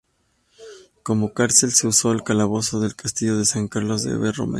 Como cárcel se usó el calabozo del Castillo de San Carlos de Borromeo.